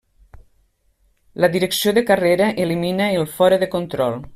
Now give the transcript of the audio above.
La direcció de carrera elimina el fora de control.